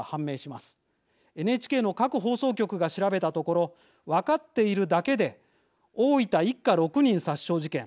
ＮＨＫの各放送局が調べたところ分かっているだけで大分一家６人殺傷事件